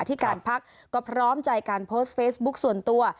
ที่การพักก็พร้อมใจการโพสต์เฟซบุ๊คส่วนตัว